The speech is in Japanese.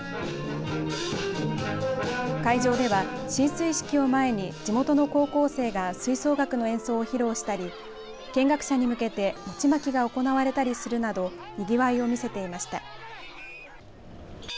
会場では進水式を前に地元の高校生が吹奏楽の演奏を披露したり見学者に向けて餅まきが行われたりするなどにぎわいを見せていました。